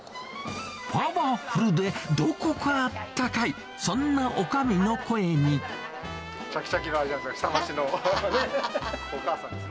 パワフルでどこかあったかい、ちゃきちゃきの下町の、お母さんですね。